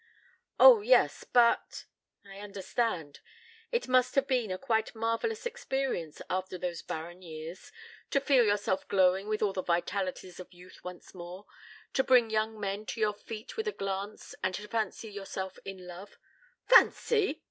"Oh, yes, but " "I understand. It must have been a quite marvellous experience, after those barren years, to feel yourself glowing with all the vitalities of youth once more; to bring young men to your feet with a glance and to fancy yourself in love " "Fancy!"